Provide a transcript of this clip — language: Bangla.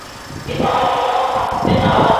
কিন্তু আমার জন্য ভাববেন না, বাবা।